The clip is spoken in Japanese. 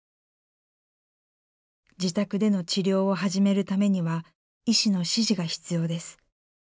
自宅での治療を始めるためには医師の指示が必要です。